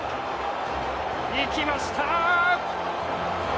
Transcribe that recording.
行きました！